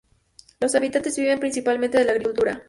Los habitantes viven principalmente de la agricultura.